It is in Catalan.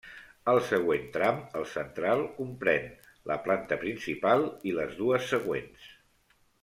El següent tram, el central, comprèn la planta principal i les dues següents.